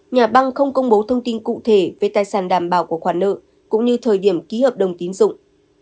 nhà băng không công bố thông tin cụ thể về tài sản đảm bảo của khoản nợ cũng như thời điểm ký hợp đồng tín dụng